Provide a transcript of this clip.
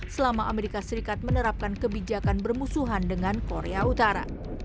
selama amerika serikat menerapkan kebijakan bermusuhan dengan korea utara